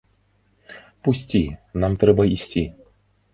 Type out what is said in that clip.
Пусці, нам трэба ісці.